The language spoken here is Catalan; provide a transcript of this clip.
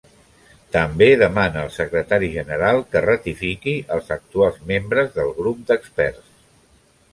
També demana al Secretari General que ratifiqui als actuals membres del Grup d'Experts.